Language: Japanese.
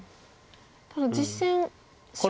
ただ実戦白。